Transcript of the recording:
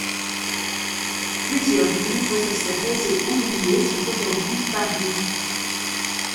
Plusieurs livres sur ces réseaux oubliés sont aujourd'hui parus.